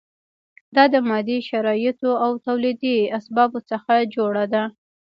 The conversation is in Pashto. دا د مادي شرایطو او تولیدي اسبابو څخه جوړه ده.